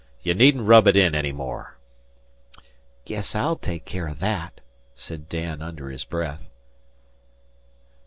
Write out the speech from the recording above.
Ye needn't rub in any more." "Guess I'll take care o' that," said Dan, under his breath.